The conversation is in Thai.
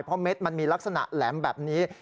เพราะเม็ดมันมีลักษณะแหลมแบบนี้